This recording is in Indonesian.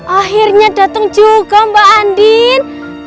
akhirnya datang juga mbak andin